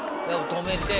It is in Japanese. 止めて。